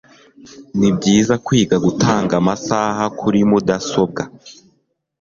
nibyiza kwiga gutanga amasaha kuri mudasobwa